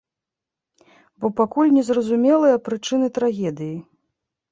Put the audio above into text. Бо пакуль не зразумелыя прычыны трагедыі.